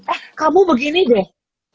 eh kamu begini deh